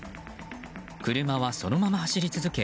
車はそのまま走り続け